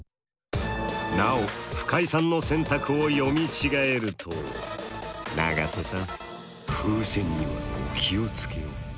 なお深井さんの選択を読み違えると永瀬さん風船にはお気を付けを。